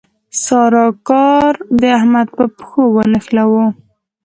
سارا کار د احمد په پښه ونښلاوو.